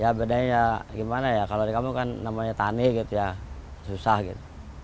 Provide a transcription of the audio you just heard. ya bedanya ya gimana ya kalau di kampung kan namanya tani gitu ya susah gitu